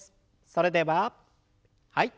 それでははい。